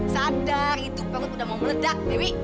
sadar itu perut udah mau meledak dewi